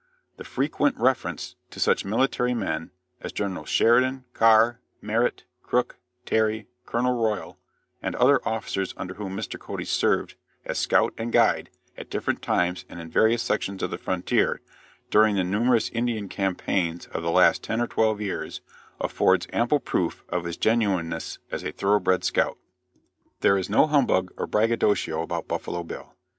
The frequent reference to such military men as Generals Sheridan, Carr, Merritt, Crook, Terry, Colonel Royal, and other officers under whom Mr. Cody served as scout and guide at different times and in various sections of the frontier, during the numerous Indian campaigns of the last ten or twelve years, affords ample proof of his genuineness as a thoroughbred scout. There is no humbug or braggadocio about Buffalo Bill.